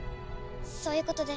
そういうことで。